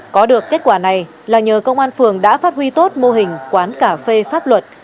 có được kết quả này là nhờ công an phường đã phát huy tốt mô hình quán cà phê pháp luật